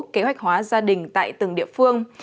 kế hoạch hóa gia đình tại từng địa phương